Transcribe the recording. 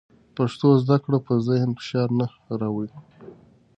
پښتو زده کړه په ذهن فشار نه راوړي.